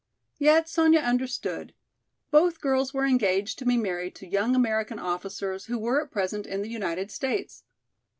Yet Sonya understood; both girls were engaged to be married to young American officers who were at present in the United States.